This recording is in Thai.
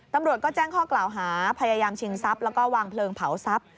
ตำรวจก็แจ้งข้อกล่าวหาพยายามชิงทรัพย์แล้วก็วางเพลิงเผาทรัพย์